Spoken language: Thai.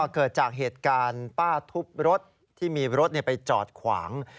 เคยจากเหตุการณ์ป้าทุบรถที่มีรถเนี่ยไปจอดควาง